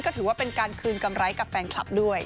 ก็ถือว่าเป็นการคืนกำไรกับแฟนคลับด้วย